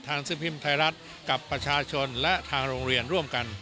หนังสือพิมพ์ไทยรัฐกับประชาชนและทางโรงเรียนร่วมกัน